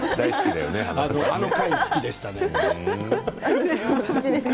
あの回、大好きでした。